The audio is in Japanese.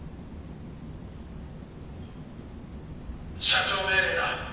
社長命令だ。